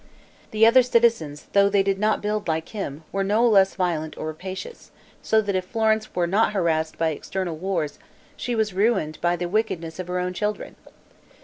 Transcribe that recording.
The other citizens, though they did not build like him, were no less violent or rapacious, so that if Florence were not harassed by external wars, she was ruined by the wickedness of her own children.